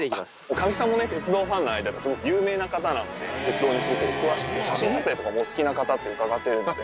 神木さんもね、鉄道ファンの間では有名な方なので、鉄道にすごくお詳しくて、写真撮影もお好きな方と伺ってるので。